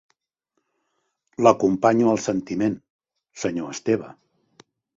L'acompanyo al sentiment, senyor Esteve.